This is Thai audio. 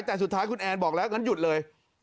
แต่สุดท้ายคุณแอนบอกแล้วงั้นหยุดเลย